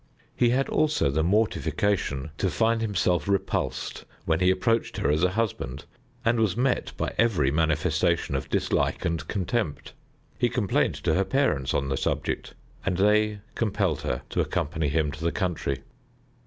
He had also the mortification to find himself repulsed when he approached her as a husband, and was met by every manifestation of dislike and contempt. He complained to her parents on the subject, and they compelled her to accompany him to the country.